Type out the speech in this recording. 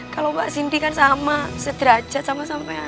kalau mbak sinti kan sama sederhaja sama sama ya